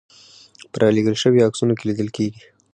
په رالېږل شویو عکسونو کې لیدل کېږي.